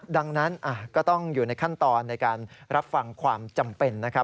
ดังนั้นก็ต้องอยู่ในขั้นตอนในการรับฟังความจำเป็นนะครับ